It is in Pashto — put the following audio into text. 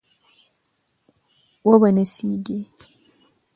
وبه يې نڅېږي